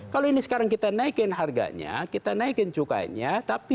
kalau ini sekarang kita naikin harganya kita naikin cukainya